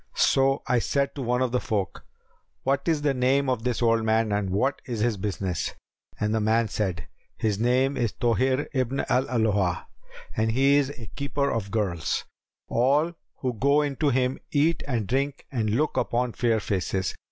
So I said to one of the folk, 'What is the name of this old man and what is his business?'; and the man said, 'His name is Tбhir ibn al Alбa, and he is a keeper of girls: all who go into him eat and drink and look upon fair faces.'